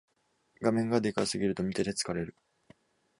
画面がでかすぎると見てて疲れる